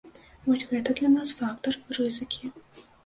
Вось гэта для нас фактар рызыкі.